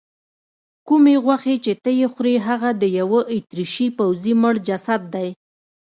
کومې غوښې چې ته یې خورې هغه د یوه اتریشي پوځي مړ جسد دی.